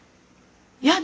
やだ